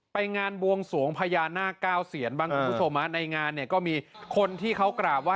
ไปงานบวงสวงพญานาคเก้าเซียนบ้างคุณผู้ชมฮะในงานเนี่ยก็มีคนที่เขากราบไห